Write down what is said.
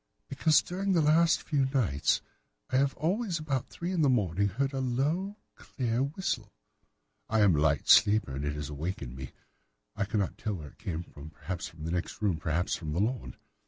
"'Because during the last few nights I have always, about three in the morning, heard a low, clear whistle. I am a light sleeper, and it has awakened me. I cannot tell where it came from—perhaps from the next room, perhaps from the lawn.